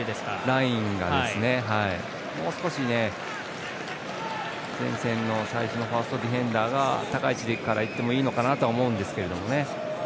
もう少し、前線の最初のファーストディフェンダーが高い位置からいってもいいのかなとは思うんですけどね。